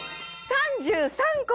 ３３個！